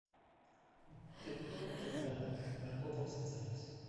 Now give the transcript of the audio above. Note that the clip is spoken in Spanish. Debutó contra Irlanda, y marcó dos ensayos.